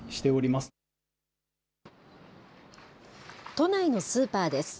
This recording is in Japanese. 都内のスーパーです。